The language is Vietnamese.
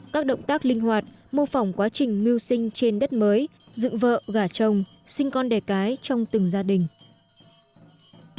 các động tác linh hoạt mô phỏng quá trình mưu sinh trên đất mới dựng vợ gả chồng sinh con đẻ cái trong từng gia đình